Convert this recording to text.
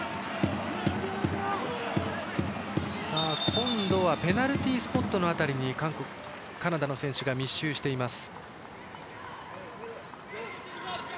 今度はペナルティースポットの辺りにカナダの選手が密集しています。